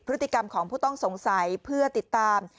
พฤติกรรมของผู้ต้องสงสัยเพื่อติดตาม